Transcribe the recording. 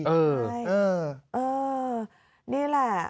เออนี่แหละ